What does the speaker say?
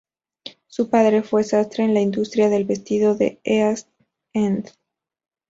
Su padre fue sastre en la industria del vestido de East End.